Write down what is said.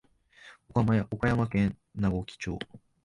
岡山県和気町